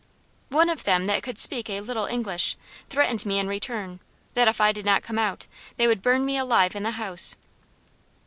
One of them that could speak a little English, threatened me in return, 'that if I did not come out, they would burn me alive in the house.'